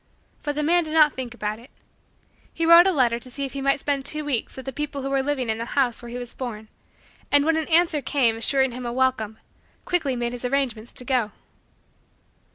But the man did not think about it. He wrote a letter to see if he might spend two weeks with the people who were living in the house where he was born and, when the answer came assuring him a welcome, quickly made his arrangements to go.